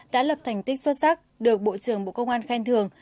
đã lập thành tích xuất sắc được bộ trưởng bộ công an khen thường